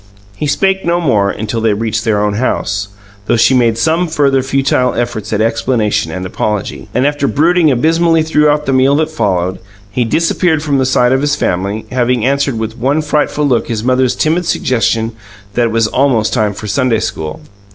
He spake no more until they had reached their own house, though she made some further futile efforts at explanation and apology. And after brooding abysmally throughout the meal that followed, he disappeared from the sight of his family, having answered with one frightful look his mother's timid suggestion that it was almost time for Sunday school.